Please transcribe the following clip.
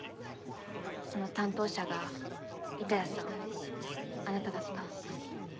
その担当者が板谷さんあなただった。